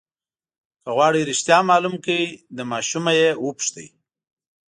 که غواړئ رښتیا معلوم کړئ له ماشوم یې وپوښته.